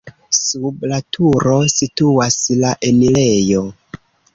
Sub la turo situas la enirejo.